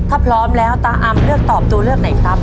ถ้าพร้อมแล้วตาอำเลือกตอบตัวเลือกไหนครับ